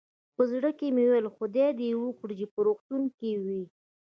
په زړه کې مې ویل، خدای دې وکړي چې په روغتون کې وي.